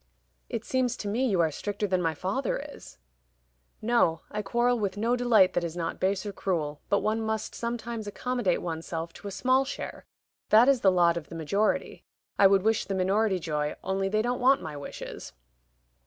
"It seems to me you are stricter than my father is." "No; I quarrel with no delight that is not base or cruel, but one must sometimes accommodate one's self to a small share. That is the lot of the majority. I would wish the minority joy, only they don't want my wishes."